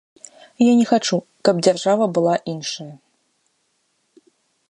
Я не хачу, каб дзяржава была іншая.